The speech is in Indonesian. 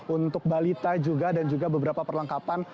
untuk balita juga dan juga beberapa perlengkapan